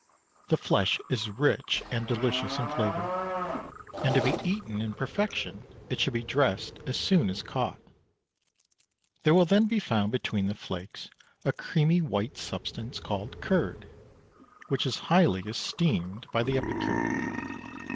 The flesh is rich and delicious in flavour, and to be eaten in perfection it should be dressed as soon as caught; there will then be found between the flakes a creamy white substance called "curd," which is highly esteemed by the epicure.